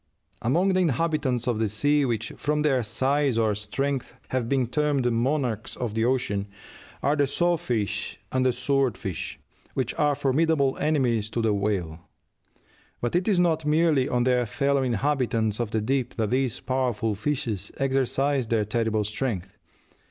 Among the inhabitants of the sea which, from their size or strength, have been termed "monarchs of the ocean," are the saw fish and the sword fish, which are formidable enemies to the whale; but it is not merely on their fellow inhabitants of the deep that these powerful fishes exercise their terrible strength.